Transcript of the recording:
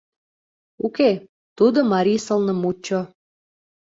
— Уке, тудо марий сылнымутчо.